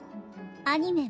アニメ